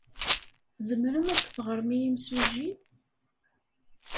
Tzemrem ad d-teɣrem i yemsujji?